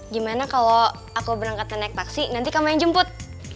gimana kalau aku berangkatnya naik taksi nanti kamu yang jemput